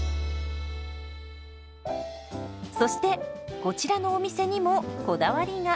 そしてこちらのお店にもこだわりが。